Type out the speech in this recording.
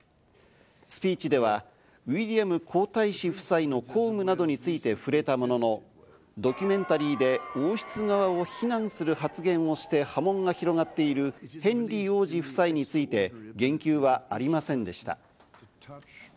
スピーチではウィリアム皇太子夫妻の公務などについて触れたものの、ドキュメンタリーで王室側を非難する発言をして波紋が広がっているヘンリー王子夫妻について言及はありませんでした。